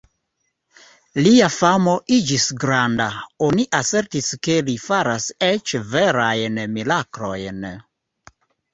Lia famo iĝis granda; oni asertis ke li faras eĉ verajn miraklojn.